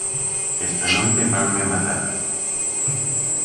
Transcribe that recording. Esta noite vanme matar.